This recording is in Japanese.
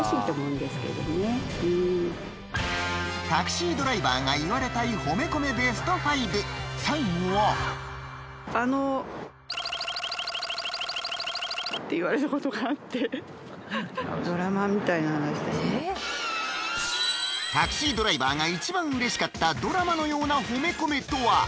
タクシードライバーが言われたい褒めコメベスト５最後はって言われたことがあってタクシードライバーが一番嬉しかったドラマのような褒めコメとは？